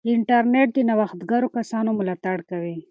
انټرنیټ د نوښتګرو کسانو ملاتړ کوي.